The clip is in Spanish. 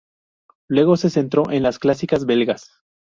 Luego se centró en las clásicas belgas.